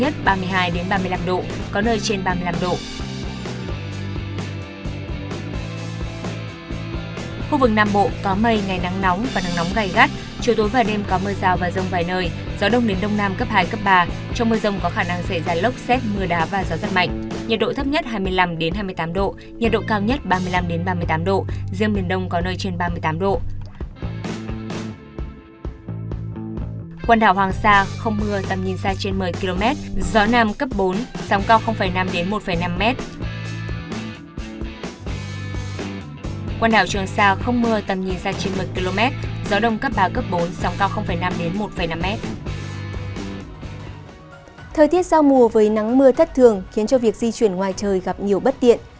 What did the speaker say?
thời tiết giao mùa với nắng mưa thất thường khiến cho việc di chuyển ngoài trời gặp nhiều bất tiện